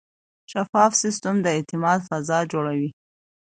شفاف سیستم د اعتماد فضا جوړوي.